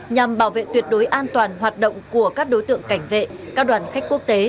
nhằm bảo vệ tuyệt đối an toàn hoạt động của các đối tượng cảnh vệ các đoàn khách quốc tế